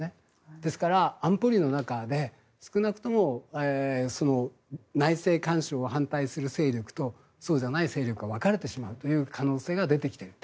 ですから、安保理の中で少なくとも内政干渉を反対する勢力とそうじゃない勢力が分かれてしまう可能性が出てきている。